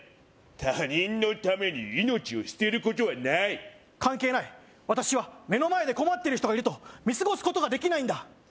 他人のために命を捨てることはない関係ない私は目の前で困っている人がいると見過ごすことができないんだ